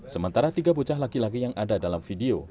sementara tiga bocah laki laki yang ada dalam video